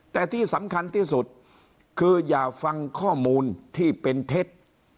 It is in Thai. แต่ที่สำคัญที่สุดคืออย่าฟังข้อมูลที่เป็นเท็จ